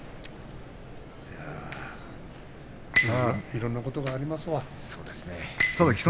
いろんなことがありますわ。